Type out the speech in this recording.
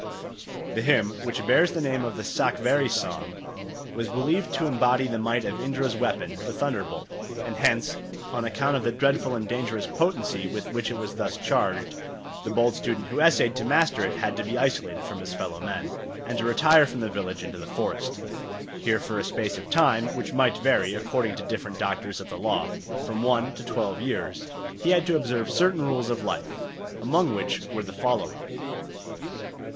The hymn, which bears the name of the Sakvari¯ song, was believed to embody the might of Indra's weapon, the thunderbolt; and hence, on account of the dreadful and dangerous potency with which it was thus charged, the bold student who essayed to master it had to be isolated from his fellow men, and to retire from the village into the forest. Here for a space of time, which might vary, according to different doctors of the law, from one to twelve years, he had to observe certain rules of life, among which were the following.